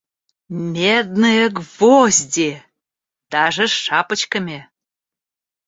Медные гвозди! даже с шапочками.